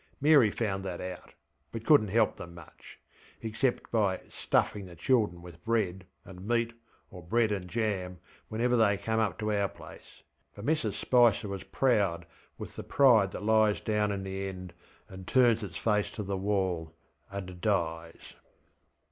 Mary found that out, but couldnŌĆÖt help them muchŌĆöexcept by ŌĆśstuffingŌĆÖ the children with bread and meat or bread and jam whenever they came up to our placeŌĆöfor Mrs Spicer was proud with the pride that lies down in the end and turns its face to the wall and dies.